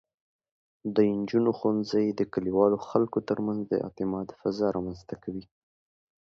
د نجونو ښوونځی د کلیوالو خلکو ترمنځ د اعتماد فضا رامینځته کوي.